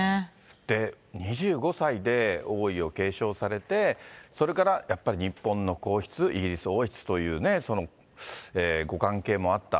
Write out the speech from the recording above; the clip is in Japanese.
で、２５歳で王位を継承されて、それからやっぱり日本の皇室、イギリス王室というご関係もあった。